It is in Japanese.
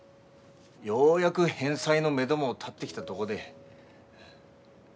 ようやく返済のめども立ってきたとごで。